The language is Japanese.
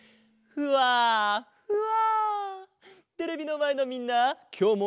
ふわふわ。